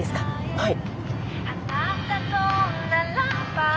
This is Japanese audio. はい。